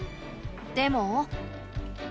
でも。